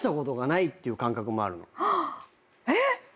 えっ！？